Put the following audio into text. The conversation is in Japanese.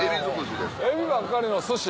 エビばっかりの寿司？